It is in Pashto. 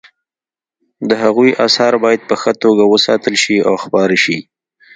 د هغوی اثار باید په ښه توګه وساتل شي او خپاره شي